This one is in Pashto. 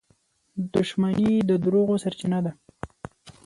• دښمني د دروغو سرچینه ده.